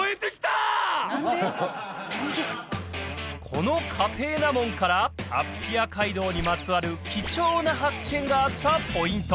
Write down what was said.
このカペーナ門からアッピア街道にまつわる貴重な発見があったポイント